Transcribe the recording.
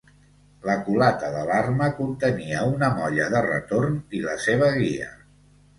La culata de l’arma contenia una molla de retorn i la seva guia.